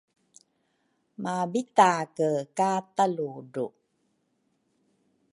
mapitake ka taludru.